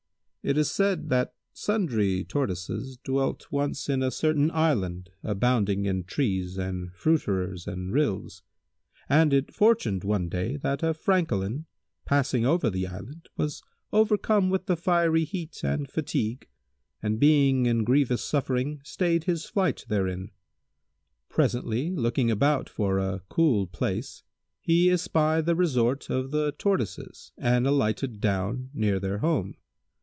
It is said that sundry Tortoises dwelt once in a certain island abounding in trees and fruiterers and rills, and it fortuned, one day, that a Francolin, passing over the island, was overcome with the fiery heat and fatigue and being in grievous suffering stayed his flight therein. Presently, looking about for a cool place, he espied the resort of the Tortoises and alighted down near their home.